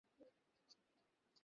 উনি আমার কাকা হন।